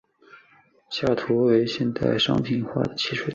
下图为现代商品化的汽水糖。